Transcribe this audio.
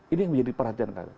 ini menjadi perhatian kami